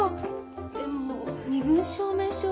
でも身分証明書は？